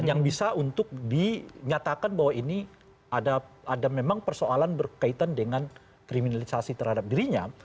yang bisa untuk dinyatakan bahwa ini ada memang persoalan berkaitan dengan kriminalisasi terhadap dirinya